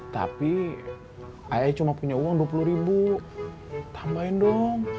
tapi ayah cuma punya uang dua puluh ribu tambahin dong